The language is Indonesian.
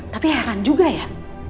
tapi heran juga ya